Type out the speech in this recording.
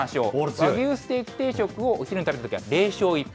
和牛ステーキ定食をお昼に食べたときは０勝１敗。